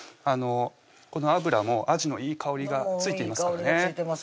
この油もあじのいい香りがついていますからね